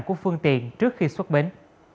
của phương tiện trước khi xuất bến